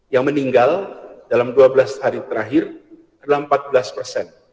yang meninggal dalam dua belas hari terakhir adalah empat belas persen